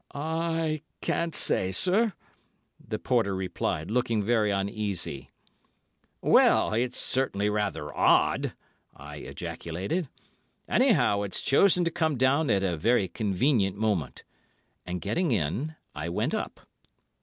"I can't say, sir," the porter replied, looking very uneasy. "Well, it's certainly rather odd," I ejaculated. "Anyhow, it's chosen to come down at a very convenient moment." And, getting in, I went up.